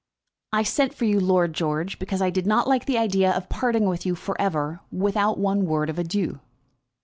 "I sent for you, Lord George, because I did not like the idea of parting with you for ever, without one word of adieu."